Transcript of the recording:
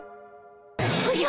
おじゃ！